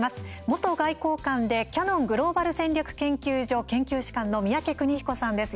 元外交官でキヤノングローバル戦略研究所研究主幹の宮家邦彦さんです。